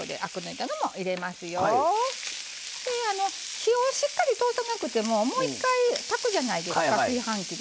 火をしっかり通さなくてももう一回、炊くじゃないですか炊飯器で。